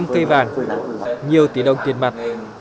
năm mươi năm cây vàng nhiều tỷ đồng tiền mặt